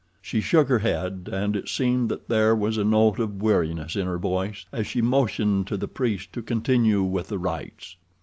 She shook her head, and it seemed that there was a note of weariness in her voice as she motioned to the priests to continue with the rites.